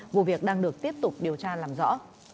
vụ việc đang được tiếp tục điều tra làm rõ